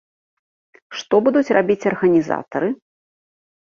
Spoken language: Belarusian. Што будуць рабіць арганізатары?